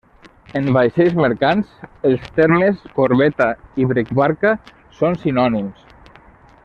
En vaixells mercants els termes corbeta i bricbarca són sinònims.